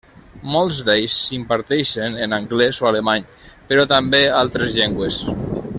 Molts d'ells s'imparteixen en anglès o alemany, però també altres llengües.